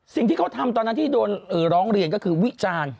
สิ่งที่เขาทำตอนนั้นที่โดนร้องเรียนก็คือวิจารณ์